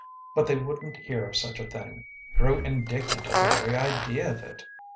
But they wouldn t hear of such a thing; grew indignant at the very idea of it.